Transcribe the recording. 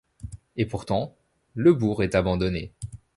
Et pourtant, le burg est abandonné...